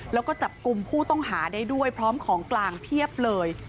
แล้วก็จับกลุ่มผู้ต้องหาได้ด้วยพร้อมของกลางเพียบเลย